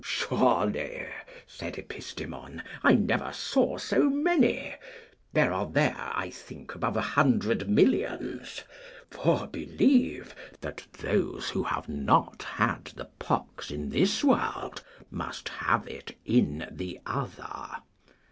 Surely, said Epistemon, I never saw so many: there are there, I think, above a hundred millions; for believe, that those who have not had the pox in this world must have it in the other.